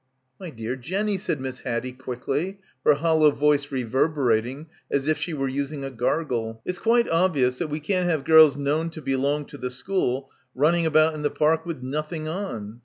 "My dear Jenny," said Miss Haddie quickly, her hollow voice reverberating as if she were using a gargle, "it's quite obvious that we can't have gels known to belong to the school running about in the park with nothing on."